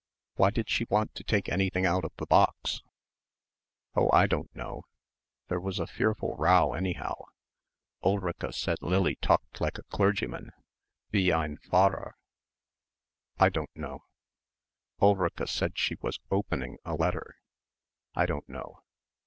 "Why did she want to take anything out of the box?" "Oh, I don't know. There was a fearful row anyhow. Ulrica said Lily talked like a clergyman wie ein Pfarrer.... I don't know. Ulrica said she was opening a letter. I don't know."